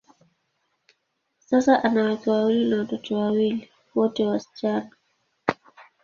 Sasa, ana wake wawili na watoto wawili, wote wasichana.